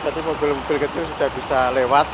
jadi mobil mobil kecil sudah bisa lewat